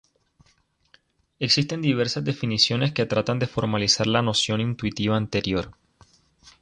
Existen diversas definiciones que tratan de formalizar la noción intuitiva anterior.